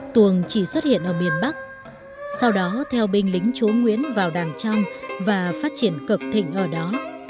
tuồng chỉ xuất hiện ở miền bắc sau đó theo binh lính chúa nguyễn vào đảng trong và phát triển cực thịnh ở đó